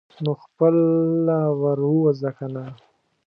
نو خپله ور ووځه کنه.